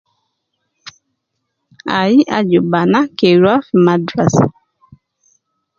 Ayi aju bana ke rua fi madrasa